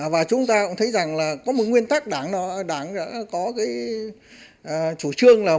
và chúng ta cũng thấy rằng là có một nguyên tắc đáng có cái chủ trương là